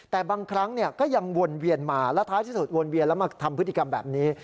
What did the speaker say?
แต่บางครั้งก็ยังวนเวียนมาแล้วท้ายที่สุดวนเวียนแล้วมาทำพฤติกรรมแบบนี้